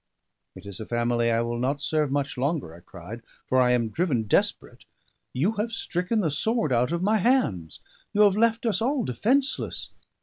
"It is a family I will not serve much longer," I cried, "for I am driven desperate. You have stricken the sword out of my hands; you have left us all defenceless.